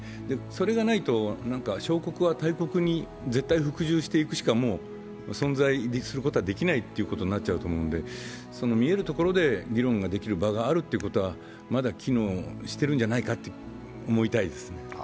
それがないと小国は大国に絶対服従していくしかもう存在することはできないということになっちゃうと思うので、見えるところで議論ができる場があるということは、まだ機能してるんじゃないかと思いたいですね。